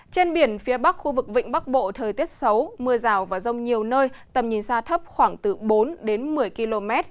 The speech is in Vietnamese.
trên biển phía bắc khu vực vịnh bắc bộ thời tiết xấu mưa rào và rông nhiều nơi tầm nhìn xa thấp khoảng từ bốn một mươi km